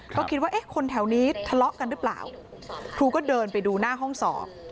ก็คิดว่าเอ๊ะคนแถวนี้ทะเลาะกันหรือเปล่าครูก็เดินไปดูหน้าห้องสอบ